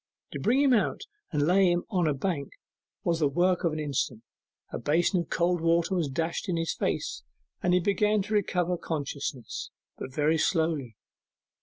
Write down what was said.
To bring him out and lay him on a bank was the work of an instant; a basin of cold water was dashed in his face, and he began to recover consciousness, but very slowly.